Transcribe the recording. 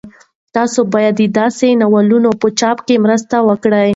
تاسو باید د داسې ناولونو په چاپ کې مرسته وکړئ.